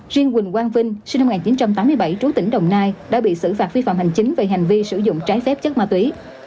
riêng quỳnh quang vinh sinh năm một nghìn chín trăm tám mươi bảy trú tỉnh đồng nai đã bị xử phạt vi phạm hành chính về hành vi sử dụng trái phép chất ma túy